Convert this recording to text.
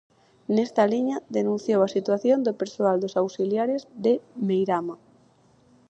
Nesta liña, denunciou a situación do persoal das auxiliares de Meirama.